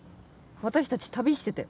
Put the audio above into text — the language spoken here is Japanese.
私たち旅してて。